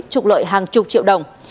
trục lợi hàng chục triệu đồng